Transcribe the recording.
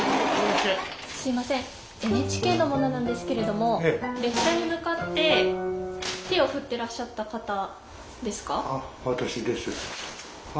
すいませんＮＨＫの者なんですけれども列車に向かって手を振ってらっしゃった方ですか？